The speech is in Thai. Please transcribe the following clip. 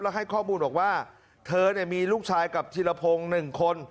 แล้วให้ข้อมูลบอกว่าเธอเนี่ยมีลูกชายกับธิรพงธ์หนึ่งคน